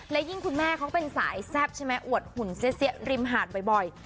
และยิ่งคุณแม่เขาเป็นสายแซ่บใช่ไหมอวดหุ่นเสี้ยริมหาดบ่อย